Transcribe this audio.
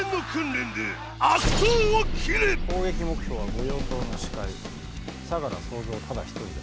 攻撃目標は御用盗の首魁相楽総三ただ一人だ。